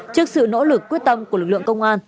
trước sự nỗ lực quyết tâm của lực lượng công an